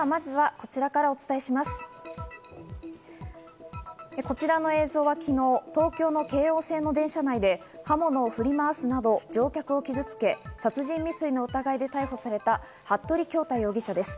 こちらの映像は昨日、東京の京王線の電車内で刃物を振りまわすなど、乗客を傷付け、殺人未遂の疑いで逮捕された服部恭太容疑者です。